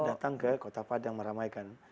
datang ke kota padang meramaikan